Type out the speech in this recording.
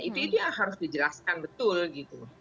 itu yang harus dijelaskan betul gitu